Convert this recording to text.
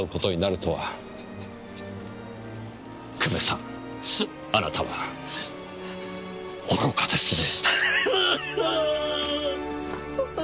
久米さんあなたは愚かですね。